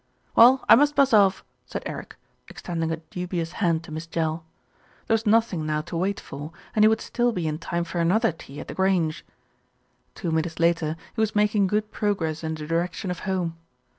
"Well, I must buzz off," said Eric, extending a du bious hand to Miss Jell. There was nothing now to wait for, and he would still be in time for another tea at The Grange. Two minutes later he was making good progress in the direction of home.